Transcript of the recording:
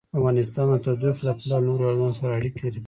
افغانستان د تودوخه له پلوه له نورو هېوادونو سره اړیکې لري.